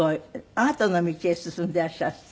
アートの道へ進んでいらっしゃるって？